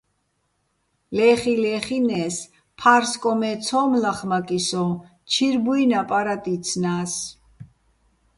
ლე́ხიჼ-ლეხინე́ს, ფა́რსკოჼ მე ცო́მ ლახმაკიჼ სოჼ, ჩირ ბუ́ჲნი̆ აპარატ იცნა́ს.